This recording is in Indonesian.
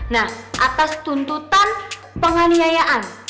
nah atas tuntutan penganiayaan